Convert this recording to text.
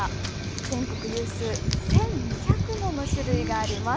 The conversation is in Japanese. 全国有数、１２００もの種類があります。